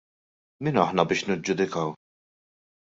Min aħna biex niġġudikaw?